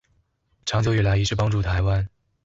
長久以來一直幫助臺灣